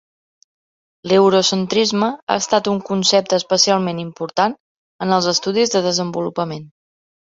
L'eurocentrisme ha estat un concepte especialment important en els estudis de desenvolupament.